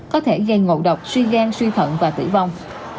có thể gây ngộ độc suy gan suy thận và tử vong